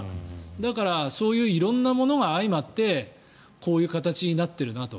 だから、そういう色々なものが相まってこういう形になってるなと。